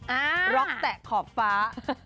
อ่าร็อกแตะขอบฟ้า